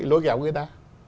lối kéo người ta